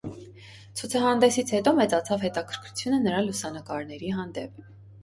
Ցուցահանդեսից հետո մեծացավ հետաքրքրությունը նրա լուսանկարների հանդեպ։